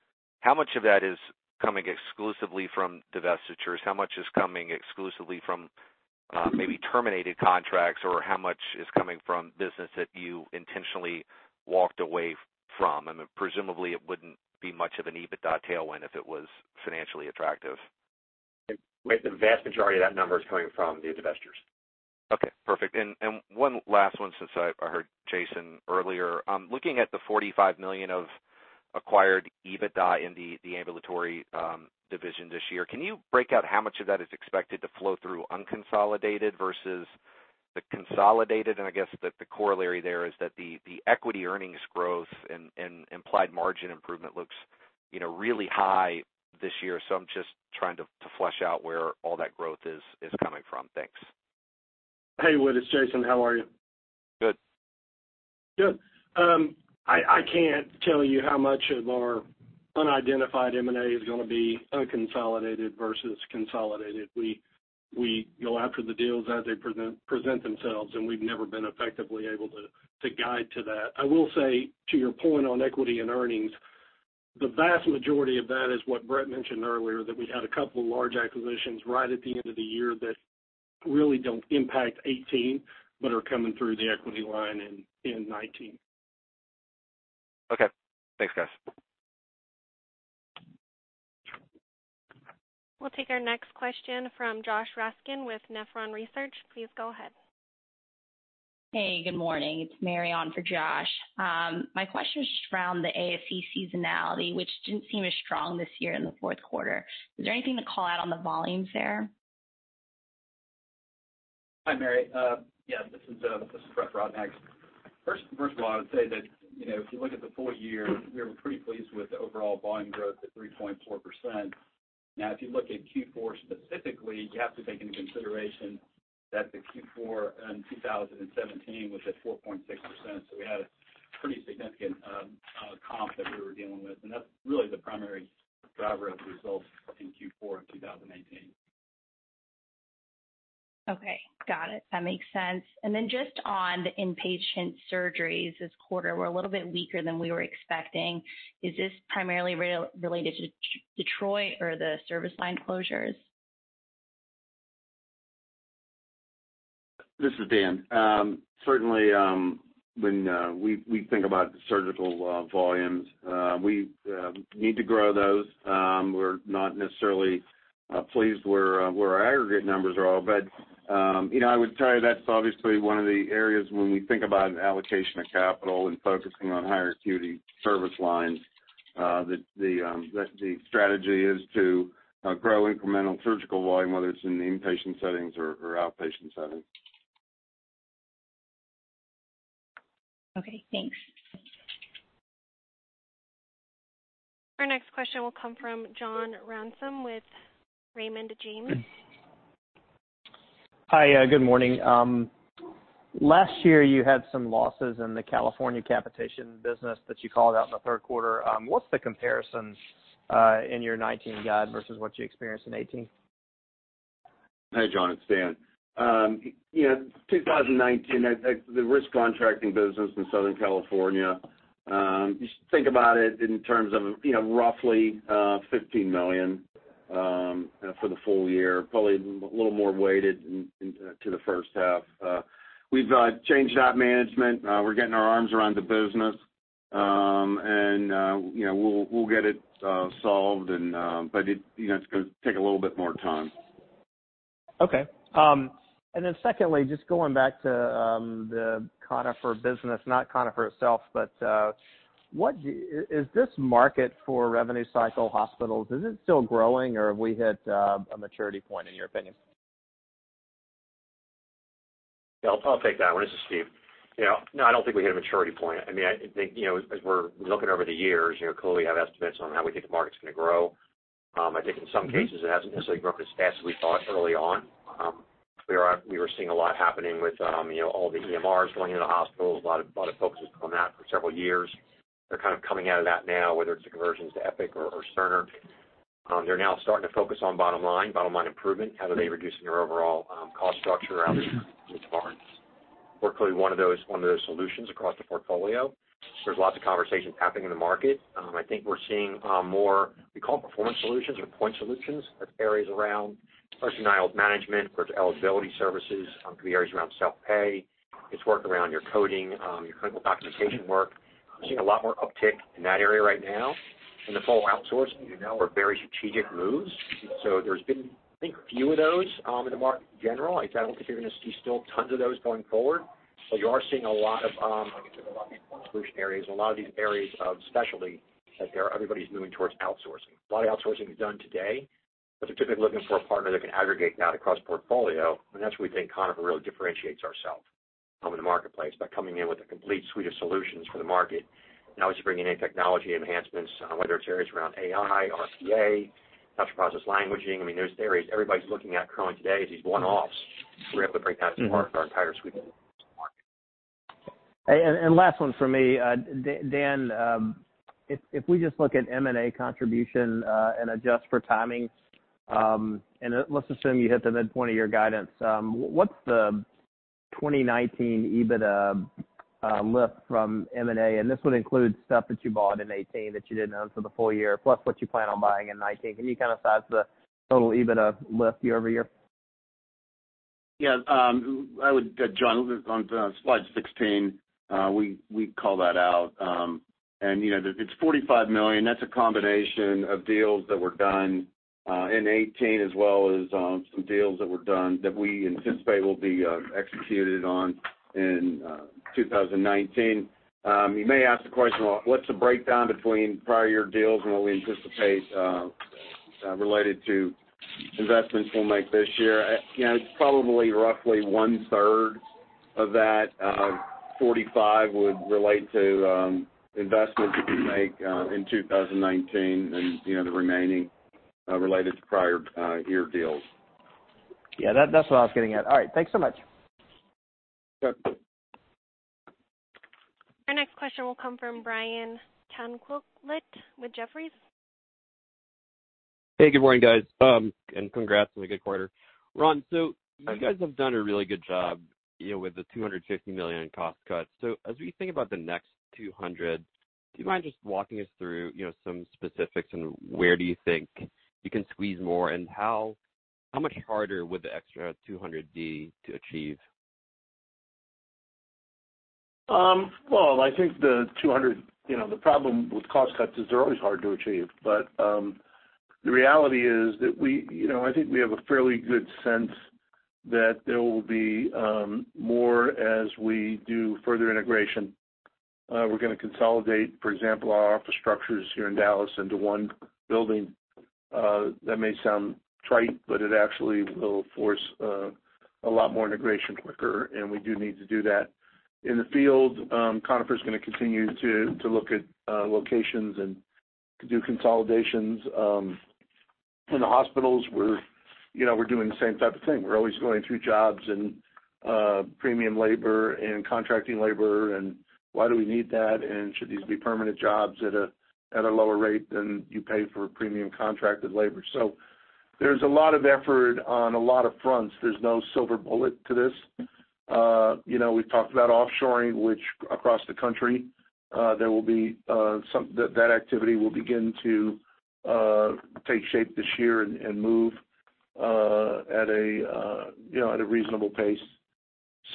how much of that is coming exclusively from divestitures? How much is coming exclusively from maybe terminated contracts, or how much is coming from business that you intentionally walked away from? Presumably, it wouldn't be much of an EBITDA tailwind if it was financially attractive. Whit, the vast majority of that number is coming from the divestitures. Okay, perfect. One last one, since I heard Jason earlier. Looking at the $45 million of acquired EBITDA in the ambulatory division this year, can you break out how much of that is expected to flow through unconsolidated versus the consolidated? I guess that the corollary there is that the equity earnings growth and implied margin improvement looks really high this year. I'm just trying to flesh out where all that growth is coming from. Thanks. Hey, Whit, it's Jason. How are you? Good. Good. I can't tell you how much of our unidentified M&A is going to be unconsolidated versus consolidated. We go after the deals as they present themselves, and we've never been effectively able to guide to that. I will say, to your point on equity and earnings, the vast majority of that is what Brett mentioned earlier, that we had a couple of large acquisitions right at the end of 2018, but are coming through the equity line in 2019. Okay. Thanks, guys. We'll take our next question from Josh Raskin with Nephron Research. Please go ahead. Hey, good morning. It's Mary on for Josh. My question is just around the ASC seasonality, which didn't seem as strong this year in the fourth quarter. Is there anything to call out on the volumes there? Hi, Mary. Yeah, this is Brett Brodnax. First of all, I would say that if you look at the full year, we were pretty pleased with the overall volume growth at 3.4%. If you look at Q4 specifically, you have to take into consideration The Q4 in 2017 was at 4.6%. We had a pretty significant comp that we were dealing with. That's really the primary driver of the results in Q4 of 2018. Okay. Got it. That makes sense. Just on the inpatient surgeries this quarter were a little bit weaker than we were expecting. Is this primarily related to Detroit or the service line closures? This is Dan. Certainly, when we think about surgical volumes, we need to grow those. We're not necessarily pleased where our aggregate numbers are, but I would tell you that's obviously one of the areas when we think about an allocation of capital and focusing on higher acuity service lines, that the strategy is to grow incremental surgical volume, whether it's in the inpatient settings or outpatient settings. Okay, thanks. Our next question will come from John Ransom with Raymond James. Hi. Good morning. Last year, you had some losses in the California capitation business that you called out in the third quarter. What's the comparison in your 2019 guide versus what you experienced in 2018? Hey, John, it's Dan. 2019, the risk contracting business in Southern California, just think about it in terms of roughly $15 million for the full year, probably a little more weighted to the first half. We've changed that management. We're getting our arms around the business. We'll get it solved, but it's going to take a little bit more time. Okay. Secondly, just going back to the Conifer business, not Conifer itself, but is this market for revenue cycle hospitals, is it still growing or have we hit a maturity point in your opinion? Yeah, I'll take that one. This is Steve. No, I don't think we hit a maturity point. As we're looking over the years, clearly, we have estimates on how we think the market's going to grow. I think in some cases it hasn't necessarily grown as fast as we thought early on. We were seeing a lot happening with all the EMRs going into hospitals. A lot of focus was put on that for several years. They're kind of coming out of that now, whether it's the conversions to Epic or Cerner. They're now starting to focus on bottom line, bottom line improvement. How do they reduce their overall cost structure around departments? We're clearly one of those solutions across the portfolio. There's lots of conversations happening in the market. I think we're seeing more, we call them performance solutions or point solutions. That's areas around first denials management, towards eligibility services, could be areas around self-pay. It's work around your coding, your clinical documentation work. Seeing a lot more uptick in that area right now. The full outsourcing, you know, are very strategic moves. There's been, I think, few of those in the market in general. I don't think you're going to see still tons of those going forward. You are seeing a lot of these point solution areas, a lot of these areas of specialty that everybody's moving towards outsourcing. A lot of outsourcing is done today, but they're typically looking for a partner that can aggregate that across portfolio, and that's where we think Conifer really differentiates ourselves in the marketplace by coming in with a complete suite of solutions for the market. Not just bringing in technology enhancements, whether it's areas around AI, RPA, Natural Language Processing. There's areas everybody's looking at currently today as these one-offs. We're able to bring that to market our entire suite market. Last one from me. Dan, if we just look at M&A contribution, adjust for timing, let's assume you hit the midpoint of your guidance, what's the 2019 EBITDA lift from M&A? This would include stuff that you bought in 2018 that you didn't own for the full year, plus what you plan on buying in 2019. Can you kind of size the total EBITDA lift year-over-year? Yeah, John, on slide 16, we call that out. It's $45 million. That's a combination of deals that were done in 2018 as well as some deals that were done that we anticipate will be executed on in 2019. You may ask the question, well, what's the breakdown between prior year deals and what we anticipate related to investments we'll make this year? It's probably roughly one-third of that $45 would relate to investments that we make in 2019 and the remaining related to prior year deals. Yeah, that's what I was getting at. All right. Thanks so much. Sure. Our next question will come from Brian Tanquilut with Jefferies. Hey, good morning, guys, and congrats on a good quarter. Ron, you guys have done a really good job with the $250 million cost cuts. As we think about the next 200, do you mind just walking us through some specifics and where do you think you can squeeze more? How much harder would the extra 200 be to achieve? Well, I think the 200, the problem with cost cuts is they're always hard to achieve. The reality is that I think we have a fairly good sense that there will be more as we do further integration. We're going to consolidate, for example, our office structures here in Dallas into one building. That may sound trite, but it actually will force a lot more integration to occur, and we do need to do that. In the field, Conifer's going to continue to look at locations and to do consolidations in the hospitals, we're doing the same type of thing. We're always going through jobs and premium labor and contracting labor, and why do we need that, and should these be permanent jobs at a lower rate than you pay for premium contracted labor? There's a lot of effort on a lot of fronts. There's no silver bullet to this. We've talked about offshoring, which across the country, that activity will begin to take shape this year and move at a reasonable pace.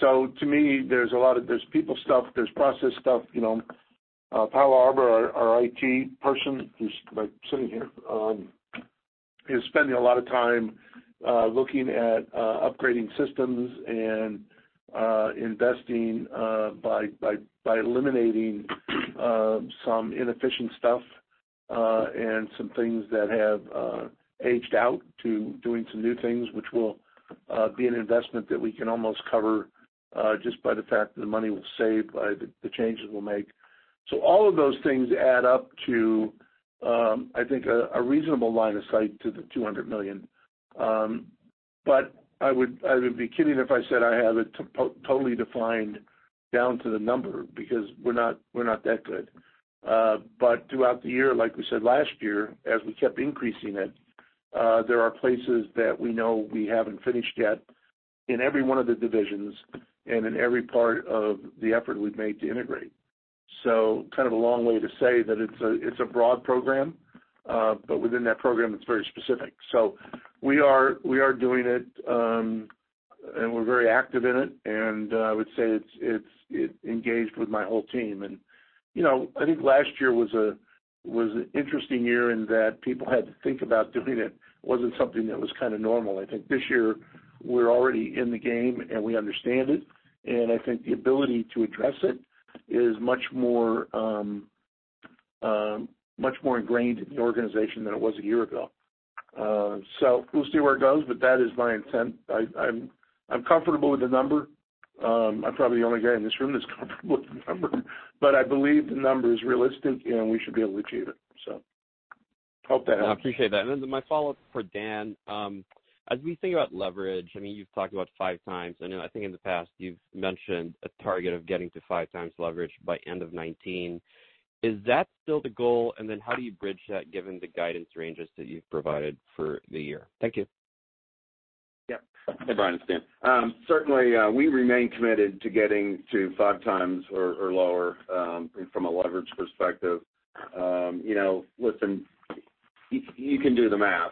To me, there's people stuff, there's process stuff. Paola Arbour, our IT person, who's sitting here, is spending a lot of time looking at upgrading systems and investing by eliminating some inefficient stuff and some things that have aged out to doing some new things, which will be an investment that we can almost cover just by the fact that the money we'll save by the changes we'll make. All of those things add up to, I think, a reasonable line of sight to the $200 million. I would be kidding if I said I have it totally defined down to the number, because we're not that good. Throughout the year, like we said, last year, as we kept increasing it, there are places that we know we haven't finished yet in every one of the divisions and in every part of the effort we've made to integrate. Kind of a long way to say that it's a broad program, but within that program, it's very specific. We are doing it, and we're very active in it, and I would say it's engaged with my whole team. I think last year was an interesting year in that people had to think about doing it. It wasn't something that was kind of normal. I think this year, we're already in the game, and we understand it, and I think the ability to address it is much more ingrained in the organization than it was a year ago. We'll see where it goes, but that is my intent. I'm comfortable with the number. I'm probably the only guy in this room that's comfortable with the number, but I believe the number is realistic, and we should be able to achieve it. Hope that helps. I appreciate that. My follow-up for Dan. As we think about leverage, you've talked about five times, and I think in the past you've mentioned a target of getting to five times leverage by end of 2019. Is that still the goal? How do you bridge that given the guidance ranges that you've provided for the year? Thank you. Yep. Hey, Brian, it's Dan. Certainly, we remain committed to getting to five times or lower from a leverage perspective. Listen, you can do the math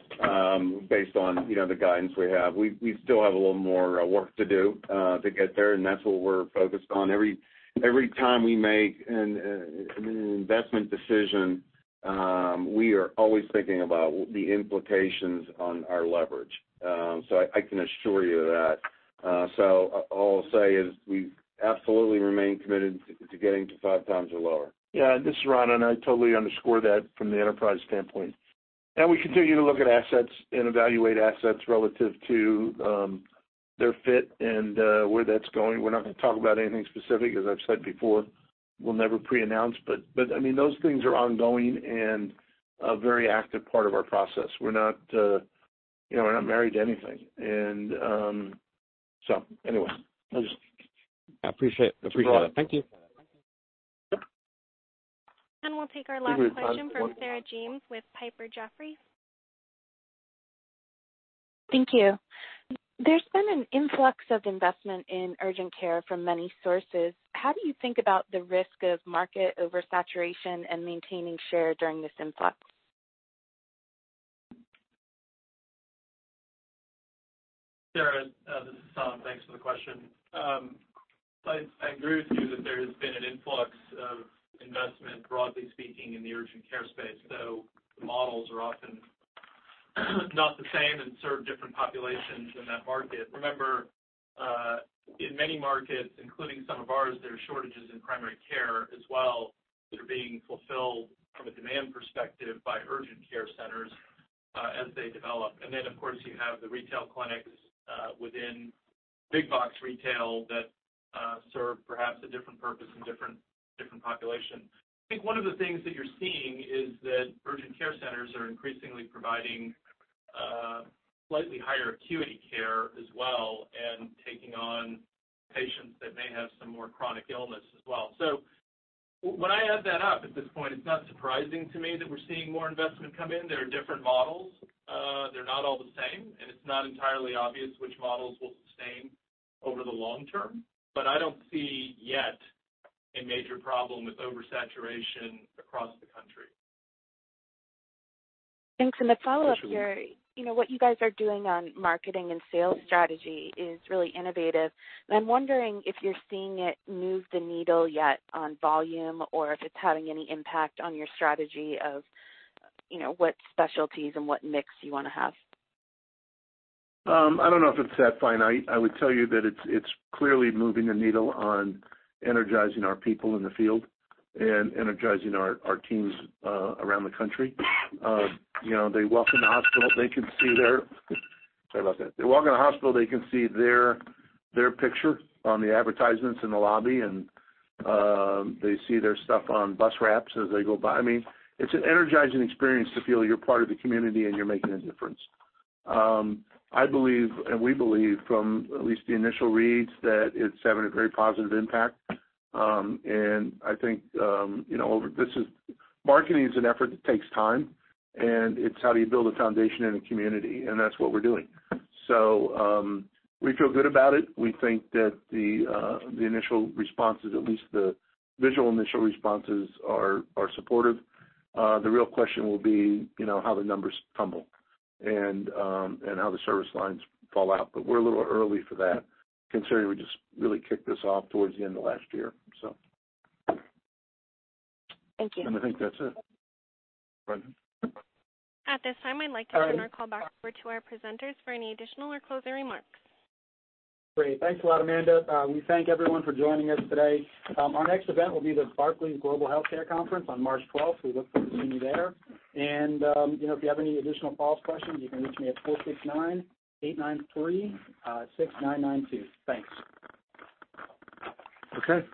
based on the guidance we have. We still have a little more work to do to get there, and that's what we're focused on. Every time we make an investment decision, we are always thinking about the implications on our leverage. I can assure you of that. All I'll say is we absolutely remain committed to getting to five times or lower. Yeah, this is Ron, and I totally underscore that from the enterprise standpoint. We continue to look at assets and evaluate assets relative to their fit and where that's going. We're not going to talk about anything specific. As I've said before, we'll never pre-announce, but those things are ongoing and a very active part of our process. We're not married to anything. Anyway. I appreciate that. Thank you. Sure. We'll take our last question from Sarah James with Piper Jaffray. Thank you. There's been an influx of investment in urgent care from many sources. How do you think about the risk of market oversaturation and maintaining share during this influx? Sarah, this is Tom. Thanks for the question. I agree with you that there has been an influx of investment, broadly speaking, in the urgent care space, though the models are often not the same and serve different populations in that market. Remember, in many markets, including some of ours, there are shortages in primary care as well that are being fulfilled from a demand perspective by urgent care centers as they develop. Of course, you have the retail clinics within big box retail that serve perhaps a different purpose and different population. I think one of the things that you're seeing is that urgent care centers are increasingly providing slightly higher acuity care as well and taking on patients that may have some more chronic illness as well. When I add that up at this point, it's not surprising to me that we're seeing more investment come in. There are different models. They're not all the same, and it's not entirely obvious which models will sustain over the long term. I don't see yet a major problem with oversaturation across the country. Thanks. A follow-up here. Appreciate it. What you guys are doing on marketing and sales strategy is really innovative, and I'm wondering if you're seeing it move the needle yet on volume or if it's having any impact on your strategy of what specialties and what mix you want to have? I don't know if it's that finite. I would tell you that it's clearly moving the needle on energizing our people in the field and energizing our teams around the country. Sorry about that. They walk in the hospital, they can see their picture on the advertisements in the lobby, and they see their stuff on bus wraps as they go by me. It's an energizing experience to feel you're part of the community and you're making a difference. I believe, and we believe, from at least the initial reads, that it's having a very positive impact. I think marketing is an effort that takes time, and it's how do you build a foundation in a community, and that's what we're doing. We feel good about it. We think that the initial responses, at least the visual initial responses, are supportive. The real question will be how the numbers tumble and how the service lines fall out, we're a little early for that considering we just really kicked this off towards the end of last year. Thank you. I think that's it. Brian? At this time, I'd like to turn our call back over to our presenters for any additional or closing remarks. Great. Thanks a lot, Amanda. We thank everyone for joining us today. Our next event will be the Barclays Global Healthcare Conference on March 12th. We look forward to seeing you there. If you have any additional follow-up questions, you can reach me at 469-893-6992. Thanks. Okay. That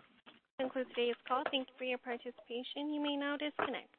concludes today's call. Thank you for your participation. You may now disconnect.